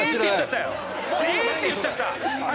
「えーっ！」って言っちゃった。